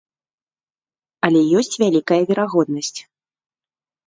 Але ёсць вялікая верагоднасць.